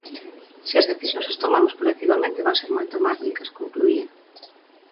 Se as decisións as tomamos colectivamente, van ser moito máis ricas, concluía.